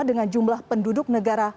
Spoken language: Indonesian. dengan jumlah penduduk negara